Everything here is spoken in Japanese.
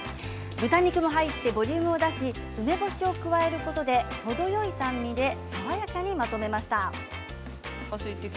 豚肉も入ってボリュームを出し梅干しを加えることで程よい酸味で爽やかにまとめました。